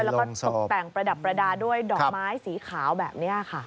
แล้วก็ตกแต่งประดับประดาษด้วยดอกไม้สีขาวแบบนี้ค่ะ